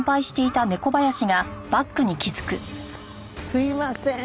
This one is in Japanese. すみません。